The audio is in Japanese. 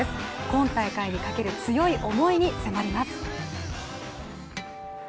今大会にかける強い思いに迫ります。